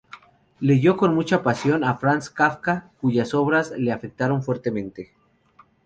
Leyó con mucha pasión a Franz Kafka, cuyas obras le afectaron fuertemente.